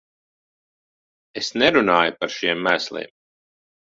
Es nerunāju par šiem mēsliem.